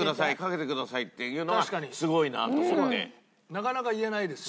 なかなか言えないですよ。